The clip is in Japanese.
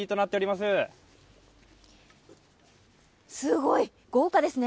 すごい、豪華ですね。